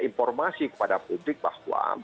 informasi kepada publik bahwa